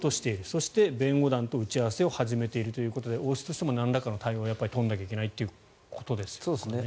そして、弁護団と打ち合わせを始めているということで王室としてもなんらかの対応は取らないといけないということですよね。